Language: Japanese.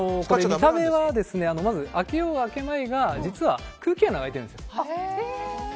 見た目は開けようが開けまいが実は、空気穴が開いてるんです。